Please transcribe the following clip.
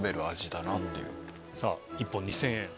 さぁ１本２０００円。